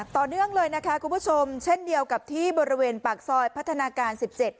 ต่อเนื่องเลยนะคะคุณผู้ชมเช่นเดียวกับที่บริเวณปากซอยพัฒนาการ๑๗